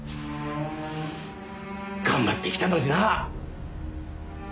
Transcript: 頑張ってきたのになぁ。